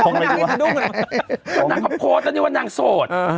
นางหักโพดจะเรียกว่านางโสด